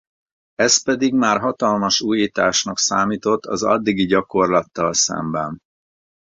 Ez pedig már hatalmas újításnak számított az addigi gyakorlattal szemben.